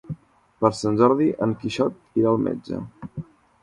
Per Sant Jordi en Quixot irà al metge.